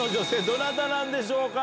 どなたなんでしょうか？